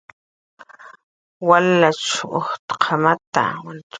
Walachn ujtqamata